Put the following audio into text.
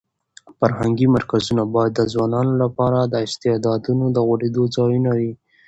فرهنګي مرکزونه باید د ځوانانو لپاره د استعدادونو د غوړېدو ځایونه وي.